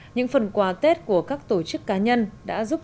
những phần quà tết của các tổ chức cá nhân đã giúp